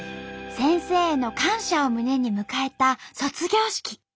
先生への感謝を胸に迎えた卒業式。